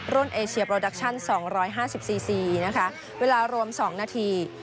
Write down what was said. รุ่นเอเชียโปรดัคชั่นสองร้อยห้าสิบซีซีนะคะเวลารวมสองนาที